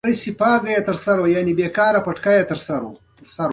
کامن وایس د پښتو د ډیجیټل پرمختګ لپاره قوي ملاتړ کوي.